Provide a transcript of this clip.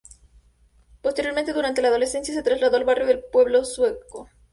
Posteriormente, durante la adolescencia se trasladó al barrio del Pueblo Seco.